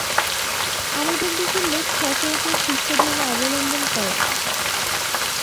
আমাদের দেশের লোক সচরাচর খ্রীষ্টধর্ম অবলম্বন করে না।